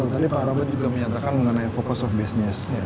tadi pak robert juga menyatakan mengenai focus of business